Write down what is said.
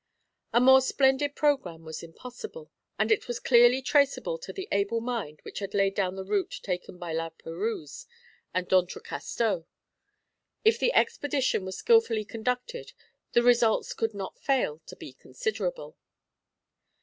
A more splendid programme was impossible, and it was clearly traceable to the able mind which had laid down the route taken by La Perouse and D'Entrecasteaux. If the expedition were skilfully conducted the results could not fail to be considerable.